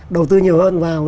đầu tư nhiều hơn vào